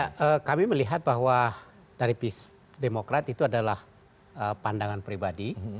ya kami melihat bahwa dari demokrat itu adalah pandangan pribadi